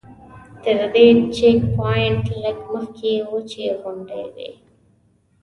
تر دې چیک پواینټ لږ مخکې وچې غونډۍ وې.